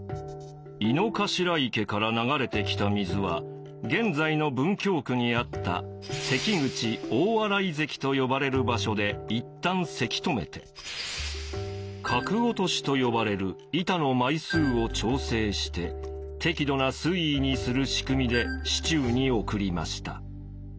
井の頭池から流れてきた水は現在の文京区にあった関口大洗堰と呼ばれる場所で一旦堰き止めて角落としと呼ばれる板の枚数を調整して適度な水位にする仕組みで市中に送りました。